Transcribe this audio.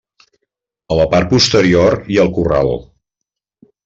A la part posterior hi ha el corral.